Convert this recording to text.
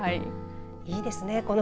いいですね。